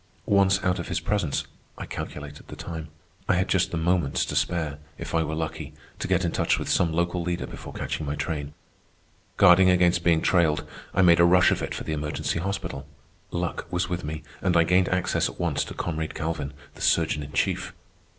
Once out of his presence, I calculated the time. I had just the moments to spare, if I were lucky, to get in touch with some local leader before catching my train. Guarding against being trailed, I made a rush of it for the Emergency Hospital. Luck was with me, and I gained access at once to comrade Galvin, the surgeon in chief.